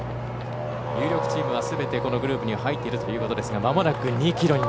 有力チームはすべてこのグループに入っていますがまもなく２ｋｍ。